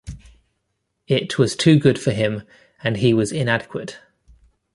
It was too good for him, and he was inadequate.